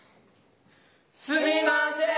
すみません。